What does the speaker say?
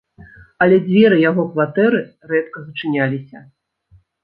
Але дзверы яго кватэры рэдка зачыняліся.